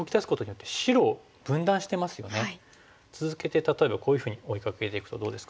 続けて例えばこういうふうに追いかけていくとどうですか？